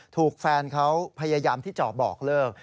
ถูกแฟนเขาพยายามที่จะบอกเลิก